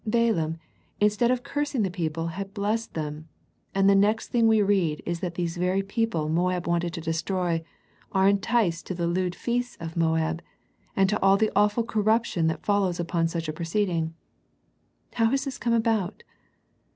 Balaam, instead of cursing the people had blessed them, and the next thing we read is that these very peo ple Moab wanted to destroy, are enticed to the lewd feasts of Moab, and to all the awful cor ruption that follows upon such a proceeding. How has this come about